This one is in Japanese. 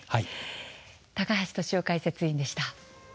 高橋俊雄解説委員でした。